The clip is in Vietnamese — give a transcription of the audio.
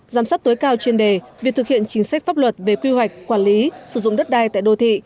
giám sát tối cao chuyên đề việc thực hiện chính sách pháp luật về quy hoạch quản lý sử dụng đất đai tại đô thị